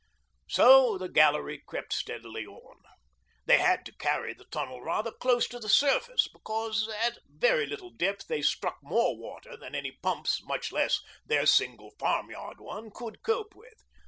So the gallery crept steadily on. They had to carry the tunnel rather close to the surface because at very little depth they struck more water than any pumps, much less their single farmyard one, could cope with.